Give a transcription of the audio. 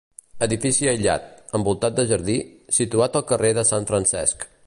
Edifici aïllat, envoltat de jardí, situat al carrer de Sant Francesc.